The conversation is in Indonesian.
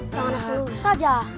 tangan seluruh saja